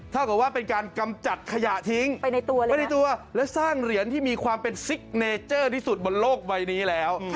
เท่ากับว่าเป็นการกำจัดขยะทิ้งไปในตัวและสร้างเหรียญที่มีความเป็นซิกเนเจอร์ที่สุดบนโลกใบนี้แล้ว